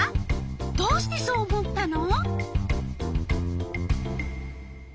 どうしてそう思ったの？